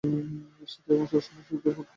শীতে এবং বসন্তের শুরুতে ফুল ফোটে।